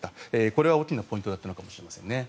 これは大きなポイントだったのかもしれませんね。